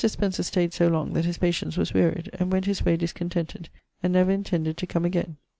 Spencer stayd so long that his patience was wearied, and went his way discontented, and never intended to come again.